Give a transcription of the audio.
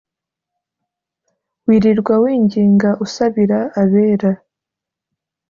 wirirwa winginga usabira abera